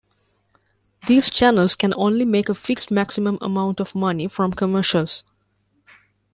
These channels can only make a fixed maximum amount of money from commercials.